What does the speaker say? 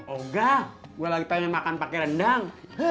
oga gue lagi tanya makan pakai rendang